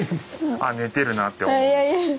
あっ寝てるなって思う。